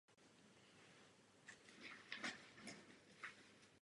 On se tomu ze všech sil brání.